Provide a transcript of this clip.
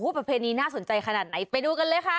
ประเพณีน่าสนใจขนาดไหนไปดูกันเลยค่ะ